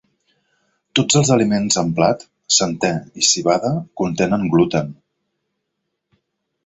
Tots els aliments amb blat, centè i civada contenen gluten.